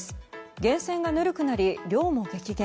源泉がぬるくなり量も激減。